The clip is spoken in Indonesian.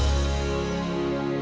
sayangy please nyuruh